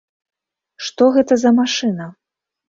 Што гэта за машына?